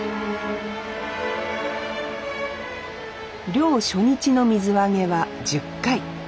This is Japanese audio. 漁初日の水揚げは１０回。